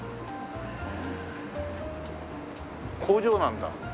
工場なんだ。